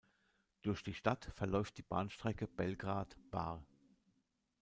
Durch die Stadt verläuft die Bahnstrecke Belgrad–Bar.